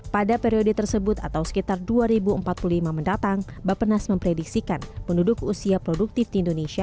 pada periode tersebut atau sekitar dua ribu empat puluh lima mendatang bapenas memprediksikan penduduk usia produktif di indonesia